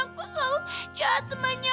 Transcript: aku selalu jahat semuanya